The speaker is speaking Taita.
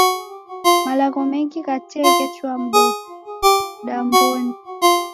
Malagho mengi gha tee ghechua mdadambonyi